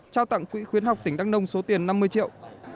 trao tặng quỹ khuyến học tỉnh đắk nông số tiền năm mươi triệu